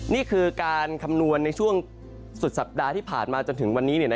นี่คือการคำนวณในช่วงสุดสัปดาห์ที่ผ่านมาจนถึงวันนี้